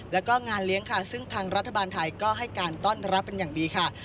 แล้วก็งานเลี้ยงค่ะซึ่งทางรัฐบาลไทยก็ให้การต้อนรับเป็นอย่างดีค่ะ